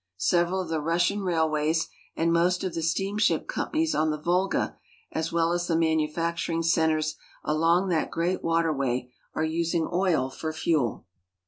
Several of the Russian railways and most of the steamship companies on the Volga, as well as the manufacturing centei s along that great waterway, are using oil for fuel.